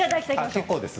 結構です。